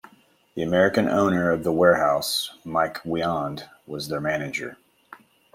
The American owner of The Warehouse, Mike Wiand, was their manager.